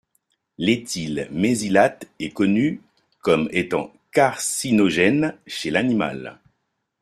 L'éthyl mésylate est connu comme étant carcinogène chez l'animal.